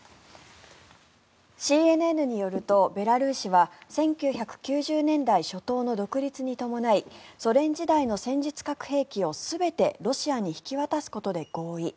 ＣＮＮによると、ベラルーシは１９９０年代初頭の独立に伴いソ連時代の戦術核兵器を全てロシアに引き渡すことで合意。